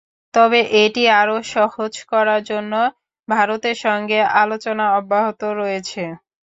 তবে এটি আরও সহজ করার জন্য ভারতের সঙ্গে আলোচনা অব্যাহত রয়েছে।